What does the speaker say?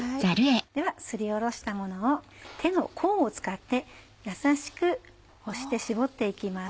ではすりおろしたものを手の甲を使って優しく押して搾って行きます。